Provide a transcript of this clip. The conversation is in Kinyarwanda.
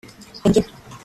imbyino